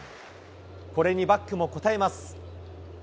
これにバックも応えます。